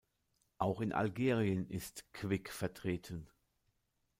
Auch in Algerien ist Quick vertreten.